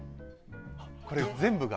これ全部が。